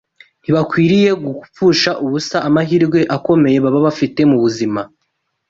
Ntibakwiriye gupfusha ubusa amahirwe akomeye baba bafite mu buzima